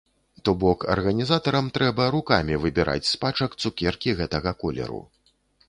То бок, арганізатарам трэба рукамі выбіраць з пачак цукеркі гэтага колеру.